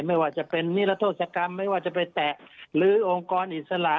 ไม่ว่าจะเป็นนิรโทษกรรมไม่ว่าจะไปแตะหรือองค์กรอิสระ